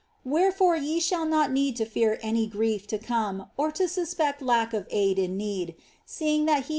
Wherefore ye shall not need to/civ any grief to come or to tuspeet lack of aid in need^ seeing that he.